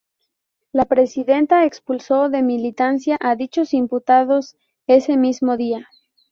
La presidenta expulsó de militancia a dichos imputados ese mismo día.